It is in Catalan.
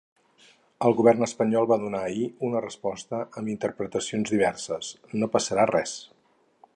El govern espanyol va donar ahir una resposta amb interpretacions diverses: no passarà res.